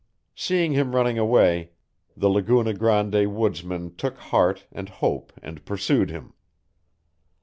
Seeing him running away, the Laguna Grande woods men took heart and hope and pursued him.